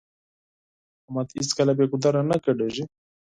احمد هيڅکله بې ګودره نه ګډېږي.